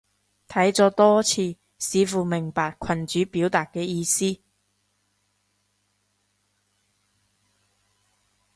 睇咗多次，似乎明白群主表達嘅意思